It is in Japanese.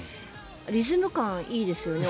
リズム感がいいですよね。